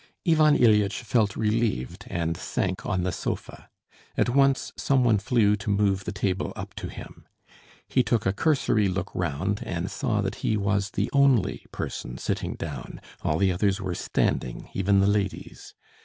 Ivan Ilyitch felt relieved and sank on the sofa; at once some one flew to move the table up to him. He took a cursory look round and saw that he was the only person sitting down, all the others were standing, even the ladies.